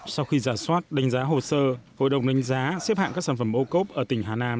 sau khi giả soát đánh giá hồ sơ hội đồng đánh giá xếp hạng các sản phẩm ô cốp ở tỉnh hà nam